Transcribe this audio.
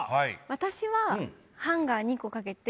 私は。